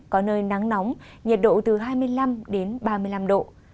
có nơi nắng nóng nhiệt độ từ hai mươi năm ba mươi năm độ